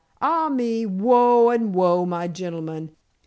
Ah, me! Woe! and woe, my gentleman.